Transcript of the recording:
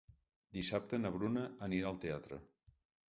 Dissabte na Bruna anirà al teatre.